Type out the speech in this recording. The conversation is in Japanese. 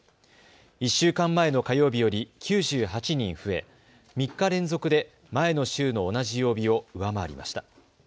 １週間前の火曜日より９８人増え、３日連続で前の週の同じ曜日を上回りました。